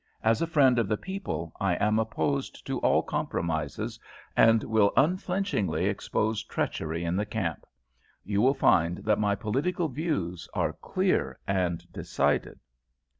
As a friend of the people I am opposed to all compromises, and will unflinchingly expose treachery in the camp. You will find that my political views are clear and decided.